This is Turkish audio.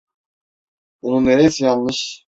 Bunun neresi yanlış?